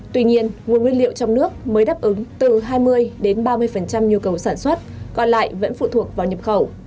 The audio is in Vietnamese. tuy nhiên nguồn nguyên liệu trong nước mới đáp ứng từ hai mươi ba mươi nhu cầu sản xuất còn lại vẫn phụ thuộc vào nhập khẩu